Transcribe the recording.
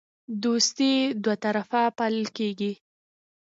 دوستي دوطرفه پالل کیږي